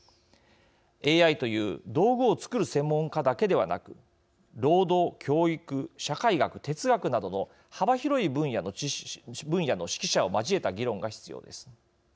ＡＩという道具を作る専門家だけではなく労働、教育、社会学、哲学などの幅広い分野の識者を交えた議論が必要です。